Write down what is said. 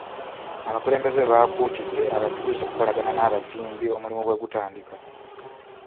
Abakulembeze baakuutidde abatuuze okukolagana n'abazimbi omulimu bwe gutandika.